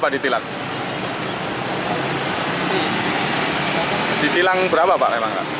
di tilang berapa pak